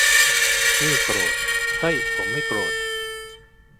นี่โกรธ - เฮ้ย ผมไม่โกรธ !